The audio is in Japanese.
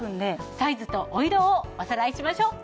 サイズとお色をおさらいしましょう。